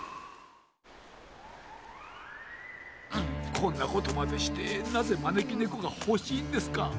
こんなことまでしてなぜまねきねこがほしいんですか？